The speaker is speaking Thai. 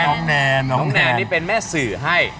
น้องแนนนี่เป็นแม่สื่อให้